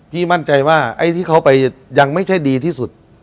มั่นใจว่าไอ้ที่เขาไปยังไม่ใช่ดีที่สุด